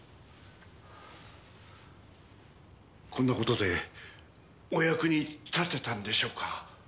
こんな事でお役に立てたんでしょうか。